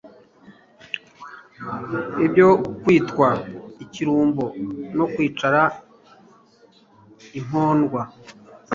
ibyo kwitwa ikirumbo no kwicara mpondwa